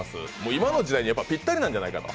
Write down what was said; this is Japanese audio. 今の時代にぴったりなんじゃないかと。